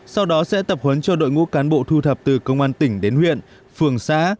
sau đó sẽ tập huấn cho đội ngũ cán bộ thu thập từ công an tỉnh đến huyện phường xã